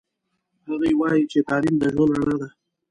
هغوی وایي چې تعلیم د ژوند رڼا ده